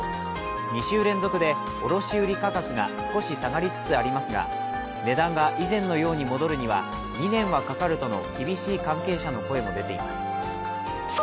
２週連続で、卸売価格が少し下がりつつありますが、値段が以前のように戻るには２年はかかるとの厳しい関係者の声も出ています。